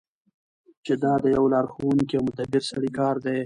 چی دا د یو لارښوونکی او مدبر سړی کار دی.